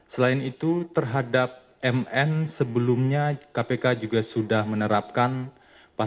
selain itu terhadap mn sebelumnya kpk juga mengubahnya